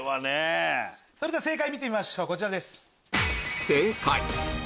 それでは正解見てみましょうこちらです。